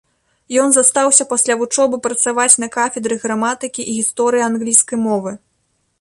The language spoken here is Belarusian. Ён застаўся пасля вучобы працаваць на кафедры граматыкі і гісторыі англійскай мовы.